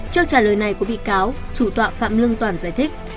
trước trả lời này của bị cáo chủ tọa phạm lương toàn giải thích